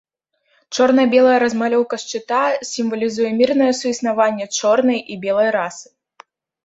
Чорна-белая размалёўка шчыта сімвалізуе мірнае суіснаванне чорнай і белай расы.